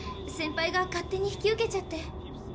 センパイが勝手に引き受けちゃって。